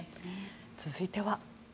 続いては。